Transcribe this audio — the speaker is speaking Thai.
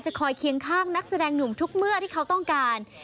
คอยเคียงข้างนักแสดงหนุ่มทุกเมื่อที่เขาต้องการ